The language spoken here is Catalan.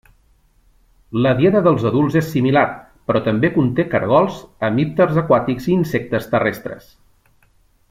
La dieta dels adults és similar, però també conté caragols, hemípters aquàtics i insectes terrestres.